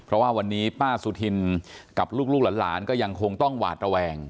เพราะว่าวันนี้ป้าสุธินกับลูกหลานก็ยังคงต้องหวาดระแวง